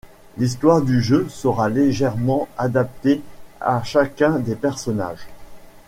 L’histoire du jeu sera légèrement adaptée à chacun des personnages.